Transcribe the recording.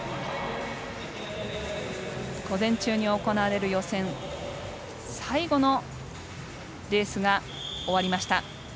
午前中に行われる予選最後のレースが終わりました。